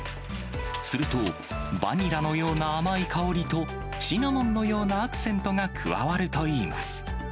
すると、バニラのような甘い香りとシナモンのようなアクセントが加わるといいます。